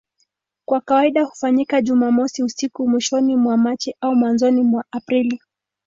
Kwa kawaida hufanyika Jumamosi usiku mwishoni mwa Machi au mwanzoni mwa Aprili.